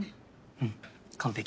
うん完璧。